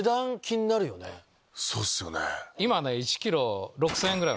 そうっすよね。